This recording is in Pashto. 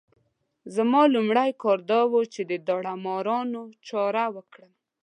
زما لومړی کار دا وو چې د داړه مارانو چاره وکړم.